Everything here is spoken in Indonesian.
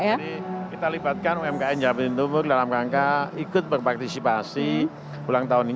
jadi kita libatkan umkm jawa timur dalam rangka ikut berpartisipasi ulang tahun ini